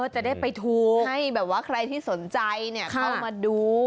จะได้ไปทูให้แบบว่าใครที่สนใจเข้ามาดู